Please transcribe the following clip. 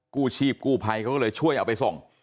กู้ชีพกู้ภัยเขาก็เลยช่วยเอาไปส่ง